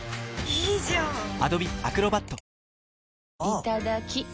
いただきっ！